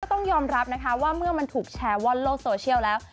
ต้องยอมรับนะคะว่าเมื่อมันถูกแชร์ว่อนโลกโซเชียลแล้ว